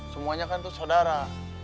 semuanya kan tuh saudara